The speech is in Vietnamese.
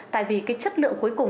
tại vì chất lượng cuối cùng